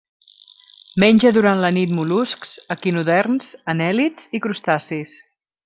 Menja durant la nit mol·luscs, equinoderms, anèl·lids i crustacis.